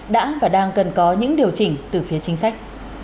đã và đang cần có những điều chỉnh từ phía chính sách